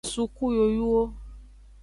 Suku yoyuwo.